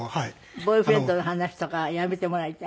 ボーイフレンドの話とかはやめてもらいたい？